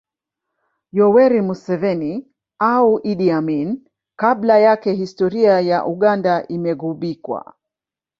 Yoweri Museveni au Idi Amin kabla yake historia ya Uganda imeghubikwa